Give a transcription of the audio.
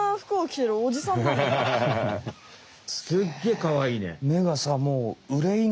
すっげえかわいいね。